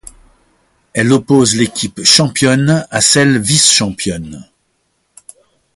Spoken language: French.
Elle oppose l'équipe championne à celle vice-championne.